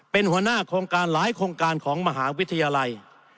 เป็นหัวหน้าโครงการหลายโครงการของมหาวิทยาลัย